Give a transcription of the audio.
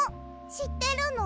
しってるの！？